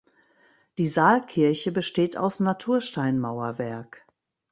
Die Saalkirche besteht aus Natursteinmauerwerk.